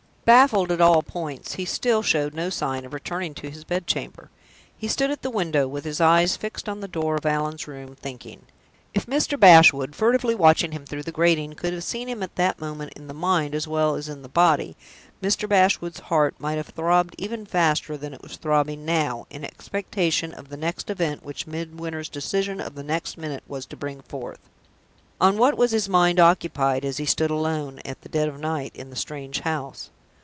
Baffled at all points, he still showed no sign of returning to his bed chamber. He stood at the window, with his eyes fixed on the door of Allan's room, thinking. If Mr. Bashwood, furtively watching him through the grating, could have seen him at that moment in the mind as well as in the body, Mr. Bashwood's heart might have throbbed even faster than it was throbbing now, in expectation of the next event which Midwinter's decision of the next minute was to bring forth. On what was his mind occupied as he stood alone, at the dead of night, in the strange house?